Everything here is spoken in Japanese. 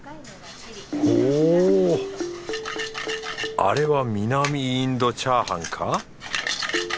おあれは南インドチャーハンか？